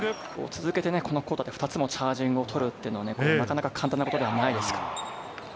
続けてこのクオーターで２つもチャージングを取るっていうのはね、なかなか簡単なことではないですから。